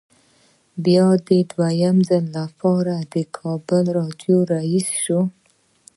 بیا د دویم ځل لپاره د کابل راډیو رییس شو.